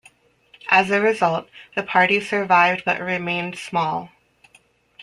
As a result, the party survived but remained small.